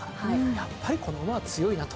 やっぱりこの馬は強いなと。